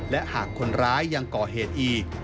และหากคนร้ายยังก่อเหตุอีก